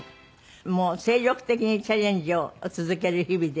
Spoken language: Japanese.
もう精力的にチャレンジを続ける日々で。